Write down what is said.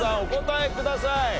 お答えください。